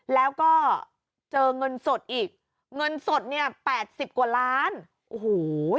แล้วก็เจอเงินสดอีกเงินสดเนี่ยแปดสิบกว่าล้านโอ้โห